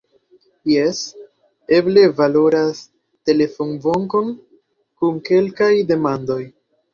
Jes, eble valoras telefonvokon kun kelkaj demandoj.